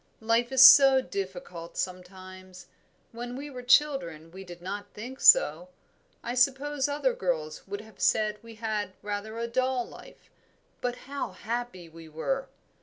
"Life is so difficult, sometimes: when we were children we did not think so. I suppose other girls would have said we had rather a dull life; but how happy we were!